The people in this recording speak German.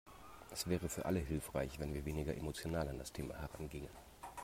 Es wäre für alle hilfreich, wenn wir weniger emotional an das Thema herangingen.